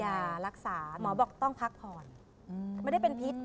ยารักษาหมอบอกต้องพักผ่อนไม่ได้เป็นพิษ